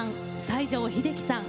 西城秀樹さん